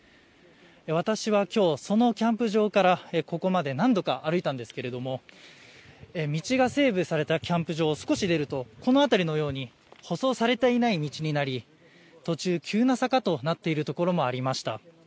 私はきょう、そのキャンプ場からここまで何度か歩いたんですけれども道が整備されたキャンプ場を少し出るとこの辺りのように舗装されていない道になり途中、急な坂となっているところもありました。